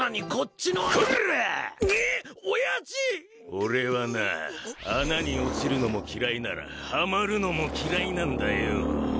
俺はな穴に落ちるのも嫌いならはまるのも嫌いなんだよ。